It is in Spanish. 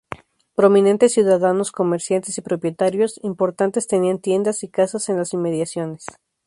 Prominentes ciudadanos, comerciantes y propietarios importantes tenían tiendas y casas en las inmediaciones.